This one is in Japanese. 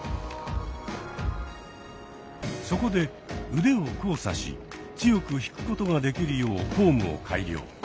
そこで腕を交差し強く引くことができるようフォームを改良。